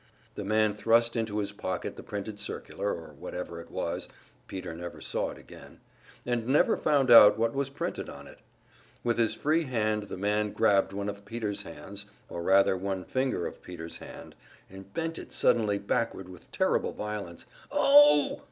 The man thrust into his pocket the printed circular, or whatever it was Peter never saw it again, and never found out what was printed on it. With his free hand the man grabbed one of Peter's hands, or rather one finger of Peter's hand, and bent it suddenly backward with terrible violence. "Oh!"